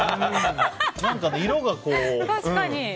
何か色がね。